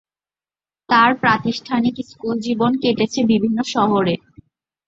তার প্রাতিষ্ঠানিক স্কুল জীবন কেটেছে বিভিন্ন শহরে।